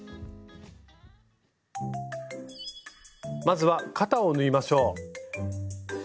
まずは肩を縫いましょう。